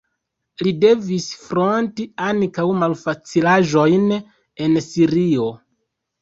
Li devis fronti ankaŭ malfacilaĵojn en Sirio.